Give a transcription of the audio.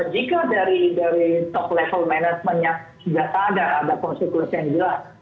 jika dari top level management yang sudah ada konsekuensi yang jelas